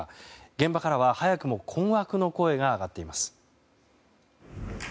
現場からは早くも困惑の声が上がっています。